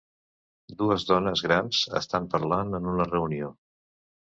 Dues dones grans estan parlant en una reunió.